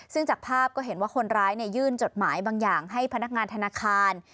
ซึ่งจากภาพก็เห็นว่าคนร้ายยื่นจดหมายบางอย่างให้พนักงานธนาคาร